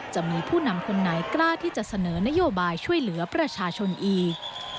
จะมีผู้นำคนไหนกล้าที่จะเสนอนโยบายช่วยเหลือประชาชนอีก